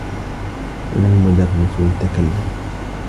كان المدرّس يتكلّم.